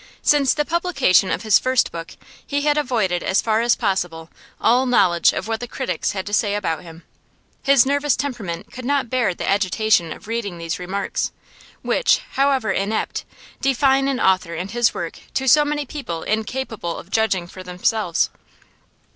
Since the publication of his first book he had avoided as far as possible all knowledge of what the critics had to say about him; his nervous temperament could not bear the agitation of reading these remarks, which, however inept, define an author and his work to so many people incapable of judging for themselves.